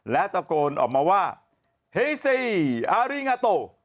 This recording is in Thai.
และตะโกนออกมาว่าเฮเซอาริงาโต